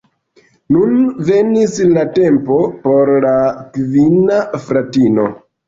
Nun venis la tempo por la kvina fratino.